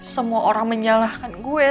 semua orang menyalahkan gue